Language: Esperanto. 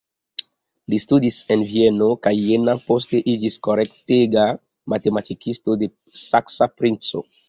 Li studis en Vieno kaj Jena, poste iĝis kortega matematikisto de saksa princo.